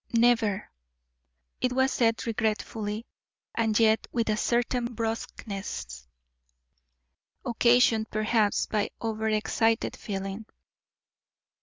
"Never." It was said regretfully, and yet with a certain brusqueness, occasioned perhaps by over excited feeling.